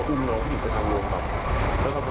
ที่นี่มีปัญหา